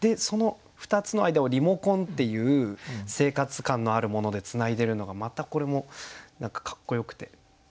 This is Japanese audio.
その２つの間を「リモコン」っていう生活感のあるものでつないでるのがまたこれも何かかっこよくて。